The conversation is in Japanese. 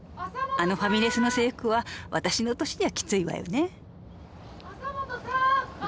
あのファミレスの制服は私の年ではきついわよね。